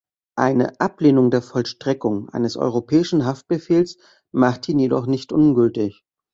Eine Ablehnung der Vollstreckung eines Europäischen Haftbefehls macht ihn jedoch nicht ungültig.